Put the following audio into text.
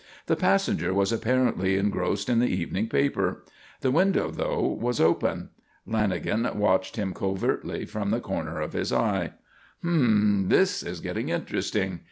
The passenger was apparently engrossed in the evening paper. The window, though, was open. Lanagan watched him covertly from the corner of his eye. "Humph! This is getting interesting.